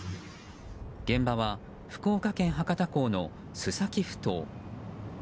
現場は、福岡県博多港の須崎ふ頭。